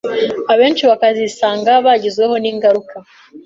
abenshi bakazisanga bagizweho n’ingaruka